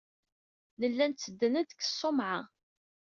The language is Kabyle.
Nella nttedden-d seg tṣumɛa.